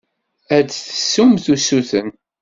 Ad d-tessumt usuten.